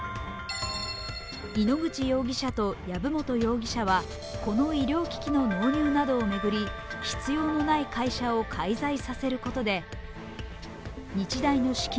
井ノ口容疑者と藪本容疑者はこの医療機器の納入などを巡り必要のない会社を介在させることで日大の資金